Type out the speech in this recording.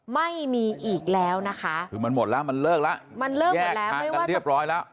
ไม่มีอีกแล้วนะคะมันหมดแล้วมันเลิกแล้วแยกทางกันเรียบร้อยแล้ว